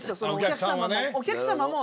お客様も。